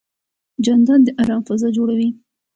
جانداد د ارام فضا جوړوي.